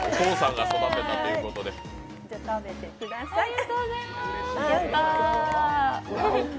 食べてください。